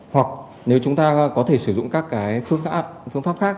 hoặc nếu chúng ta có thể sử dụng các cái phương pháp khác